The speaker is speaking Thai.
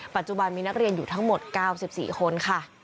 ปัจจุบันมีนักเรียนอยู่ทั้งหมด๙๔คนค่ะ